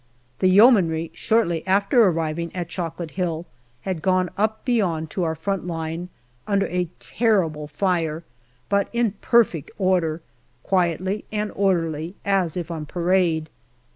The Yeomanry, shortly after arriving at Chocolate Hill, had gone up beyond to our front line under a terrible fire, but in perfect order, quietly and orderly as if on parade.